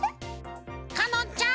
かのんちゃん。